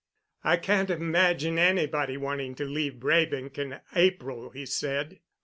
"I can't imagine anybody wanting to leave Braebank in April," he said.